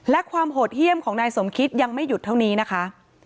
และความโหดเยี่ยมของนายสมคิดยังไม่หยุดเท่านี้นะคะ